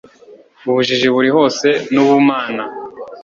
Ubujiji buri hose n'ubumana